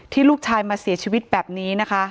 ลูกชายมาเสียชีวิตแบบนี้นะคะ